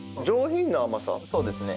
そうですね。